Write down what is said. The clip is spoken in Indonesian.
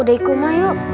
udah ikut mah yuk